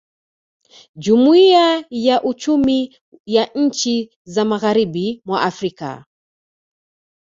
Jumuiya ya Uchumi ya Nchi za Magharibi mwa Afrika